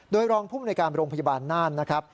โดยรองภูมิในการโรงพยาบาลน่านนะครับ